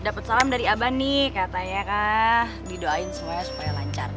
dapet salam dari aba nih katanya kak didoain semuanya supaya lancar